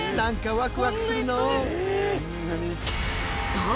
そう！